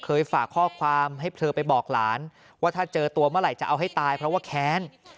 ฝากข้อความให้เธอไปบอกหลานว่าถ้าเจอตัวเมื่อไหร่จะเอาให้ตายเพราะว่าแค้น